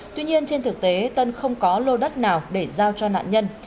tuy nhiên trên thực tế tân không có lô đất nào để giao cho nạn nhân